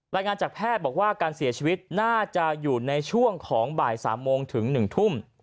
รายงานจากแพทย์บอกว่าการเสียชีวิตน่าจะอยู่ในช่วงของบ่าย๓โมงถึง๑ทุ่ม